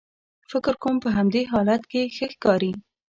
فکر کوم په همدې حالت کې ښه ښکارې.